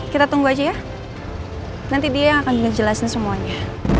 kita tunggu aja ya nanti dia yang akan ngejelasin semuanya